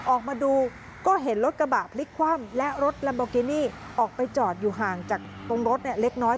ออกมาดูก็เห็นรถกระบะพลิกคว่ำและรถลัมโบกินี่ออกไปจอดอยู่ห่างจากตรงรถเล็กน้อย